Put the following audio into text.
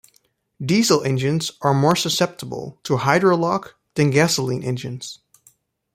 Diesel engines are more susceptible to hydrolock than gasoline engines.